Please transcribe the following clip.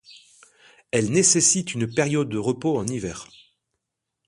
Elle nécessite une période de repos en hiver.